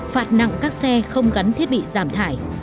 phạt nặng các xe không gắn thiết bị giảm thải